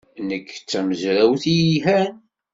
Nekk d tamezrawt yelhan.